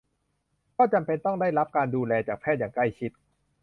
ก็จำเป็นต้องได้รับการดูแลจากแพทย์อย่างใกล้ชิด